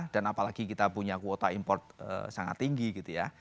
dan apalagi kita punya kuota import sangat tinggi gitu ya